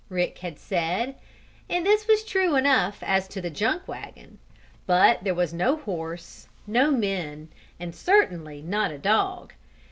Rick had said, and this was true enough as to the junk wagon. But there was no horse, no men and certainly not a dog.